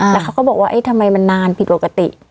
แล้วเขาก็บอกว่าทำไมมันนานผิดปกติ